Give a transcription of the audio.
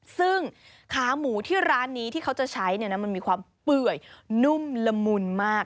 ซึ่งขาหมูที่ร้านนี้ที่เขาจะใช้มันมีความเปื่อยนุ่มละมุนมาก